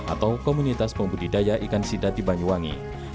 atau komunitas pembudidaya ikan sidat di banyuwangi